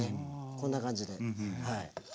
こんな感じではい。